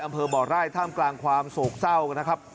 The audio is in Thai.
อำเภอบ่อไร่ท่ามกลางความโศกเศร้านะครับ